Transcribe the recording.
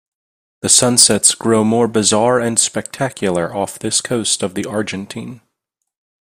The sunsets grow more bizarre and spectacular off this coast of the Argentine.